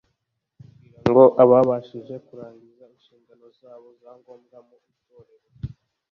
kugira ngo ababashishe kurangiza inshingano zabo za ngombwa mu Itorero.